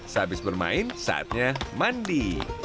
sehabis bermain saatnya mandi